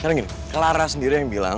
karena gini clara sendiri yang bilang